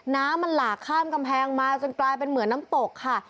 น้ำมันหลากข้ามกำแพงมาจนกลายเป็นเหมือนน้ำตกค่ะ